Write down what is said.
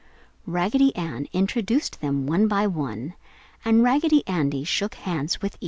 Raggedy Ann introduced them one by one and Raggedy Andy shook hands with each.